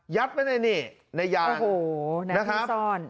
ยัดไปในนี่ในยางโอ้โหแหน่งที่ซ่อน